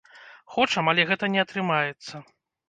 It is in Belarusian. Хочам, але гэта не атрымаецца.